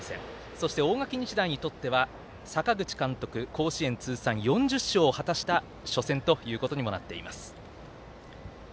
そして、大垣日大にとっては阪口監督甲子園通算４０勝を果たした初戦ということにもなっています。